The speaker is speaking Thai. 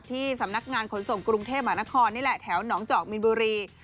ที่สำนักงานขนส่งกรุงเทพมหานครนี่แหละแถวหนองจอกมินบุรี